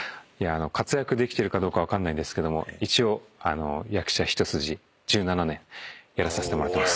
活躍できてるかどうか分かんないんですけども一応。やらさせてもらってます。